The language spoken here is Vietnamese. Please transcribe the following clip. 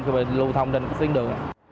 khi mà lưu thông trên xuyên đường